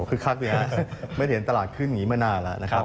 คือคักดีครับไม่ได้เห็นตลาดขึ้นอย่างนี้มานานแล้วนะครับ